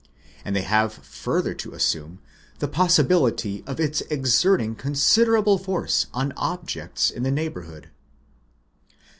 And they have further to assume the possibility of its exerting considerable force on objects in the neighbourhood.